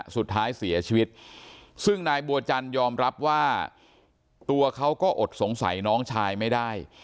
สุดท้ายเสียชีวิตซึ่งนายบัวจันยอมรับว่าตัวเขาก็อดสงสัยน้องชายไม่ได้